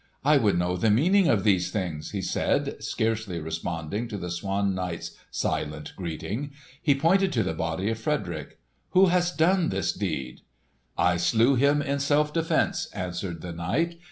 "I would know the meaning of these things!" he said, scarcely responding to the Swan Knight's silent greeting. He pointed to the body of Frederick. "Who has done this deed?" "I slew him in self defence," answered the knight.